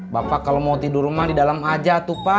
bapak kalau mau tidur rumah di dalam aja tupa